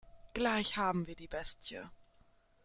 Gleich haben wir die Bestie.